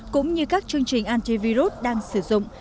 cũng như các chương trình antivirus đang sử dụng